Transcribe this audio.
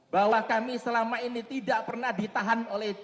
bahwa kami selama ini tidak pernah ditahan oleh